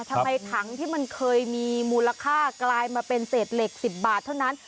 ทำไมถังที่มันเคยมีมูลค่ากลายมาเป็นเศษเหล็ก๑๐บาทเท่านั้น